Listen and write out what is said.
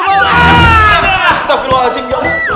aduh tetap gelas asing